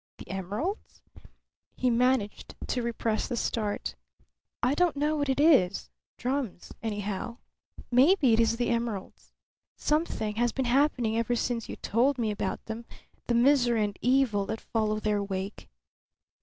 "The emeralds?" He managed to repress the start. "I don't know what it is; drums, anyhow. Maybe it is the emeralds. Something has been happening ever since you told me about them the misery and evil that follow their wake."